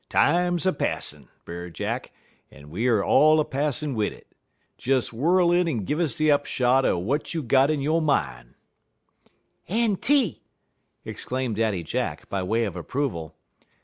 Time's a passin', Brer Jack, en we all er passin' wid it. Des whirl in en gin us de upshot er w'at you got in yo' min'." "Enty!" exclaimed Daddy Jack, by way of approval.